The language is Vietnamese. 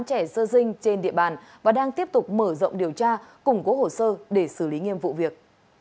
trẻ sơ dinh trên địa bàn và đang tiếp tục mở rộng điều tra củng cố hồ sơ để xử lý nghiêm vụ việc